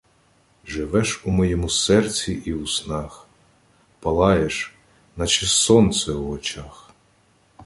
Живеш в моєму серці і у снах, Палаєш наче Сонце у очах.